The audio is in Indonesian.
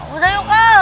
udah yuk kal